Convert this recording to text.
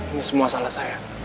ini semua salah saya